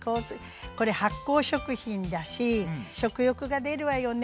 これ発酵食品だし食欲が出るわよね。